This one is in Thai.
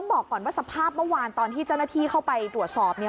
บอกก่อนว่าสภาพเมื่อวานตอนที่เจ้าหน้าที่เข้าไปตรวจสอบเนี่ย